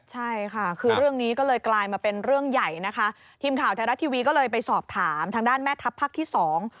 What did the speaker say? ใช่ค่ะคือเรื่องนี้ก็เลยกลายมาเป็นเรื่องใหญ่นะคะทีมข่าวไทยรัฐทีวีก็เลยไปสอบถามทางด้านแม่ทัพภาคที่สอง